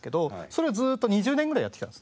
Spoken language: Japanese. それをずっと２０年ぐらいやってきたんですね。